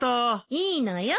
いいのよ。